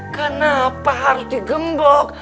kenapa harus digembok